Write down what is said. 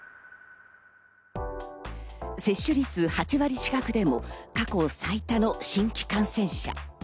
接種率８割近くでも過去最多の新規感染者。